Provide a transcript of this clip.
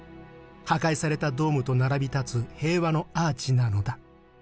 破壊されたドームと並び立つ平和のアーチなのだ」。